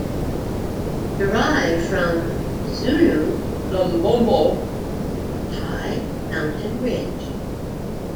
Derived from Zulu Lumbombo, 'high mountain ridge'.